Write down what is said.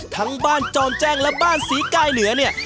ทั้งบ้านจอมแจ้งและบ้านศรีกายเหนือเนี่ย